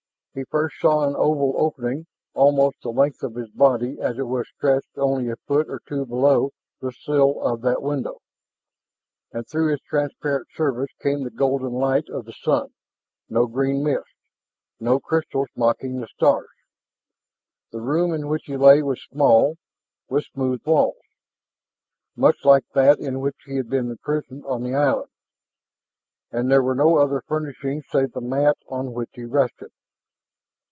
He first saw an oval opening almost the length of his body as it was stretched only a foot of two below the sill of that window. And through its transparent surface came the golden light of the sun no green mist, no crystals mocking the stars. The room in which he lay was small with smooth walls, much like that in which he had been imprisoned on the island. And there were no other furnishings save the mat on which he rested.